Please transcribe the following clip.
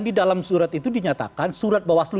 di dalam surat itu dinyatakan surat bawaslu